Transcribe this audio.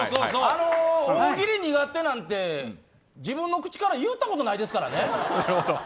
大喜利苦手なんて自分の口からいうたことないですからね。